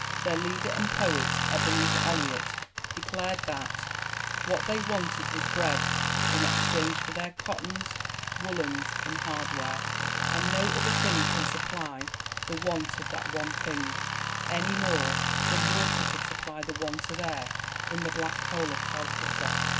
Their leader and poet, Ebenezer Elliott, declared that "what they wanted was bread in exchange for their cottons, woollens, and hardware, and no other thing can supply the want of that one thing, any more than water could supply the want of air in the Black Hole of Calcutta."